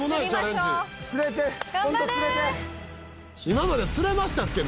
「今まで釣れましたっけ？